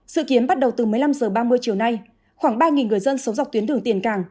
sự kiến bắt đầu từ một mươi năm h ba mươi chiều nay khoảng ba người dân sống dọc tuyến đường tiền cảng